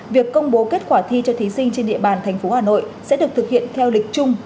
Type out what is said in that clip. việc công bố kết quả thi cho thí sinh trên địa bàn tp hà nội sẽ được thực hiện theo lịch chung